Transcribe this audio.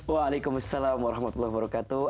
waalaikumsalam warahmatullahi wabarakatuh